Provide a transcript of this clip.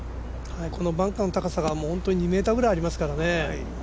バンカーの高さが２ｍぐらいありますからね。